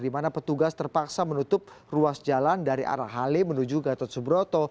di mana petugas terpaksa menutup ruas jalan dari arah hali menuju gatot subroto